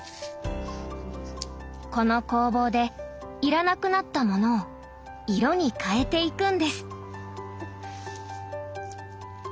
この工房で要らなくなったものを色に変えていくんです。